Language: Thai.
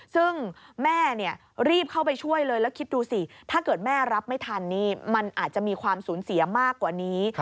ซึ่งแม่รีบเข้าไปช่วยเลยแล้วคิดดูสิถ้าเกิดแม่รับไม่ทันนี่มันอาจจะมีความสูญเสียมากกว่านี้